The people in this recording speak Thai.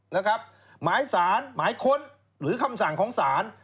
หมายสารหมายค้นหรือคำสั่งของศาล